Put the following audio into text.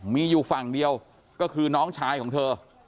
มีอยู่ฝั่งเดียวก็คือน้องชายของเธอ